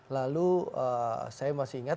lalu saya masih ingat